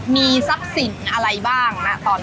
มีทรัพย์สินอะไรบ้างนะตอนนี้